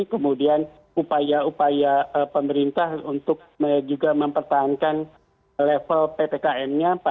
kemudian upaya upaya pemerintah untuk juga mempertahankan level ppkm nya